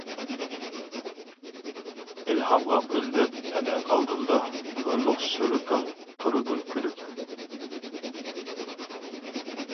ئىلھامغا ئۈندەپ ئەنە ئالدىمدا، نۇرلۇق سۈرىتىڭ تۇرىدۇ كۈلۈپ.